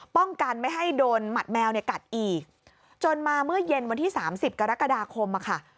ป้องกันไม่ให้โดนหมัดแมวเนี่ยกัดอีกจนมาเมื่อเย็นวันที่สามสิบกรกฎาคมอะค่ะ